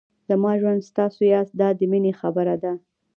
زما ژوند تاسو یاست دا د مینې خبره ده.